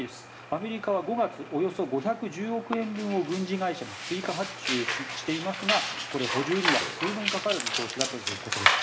アメリカは５月およそ５１０億円分を軍事会社に追加発注していますが補充には数年かかる見通しだということです。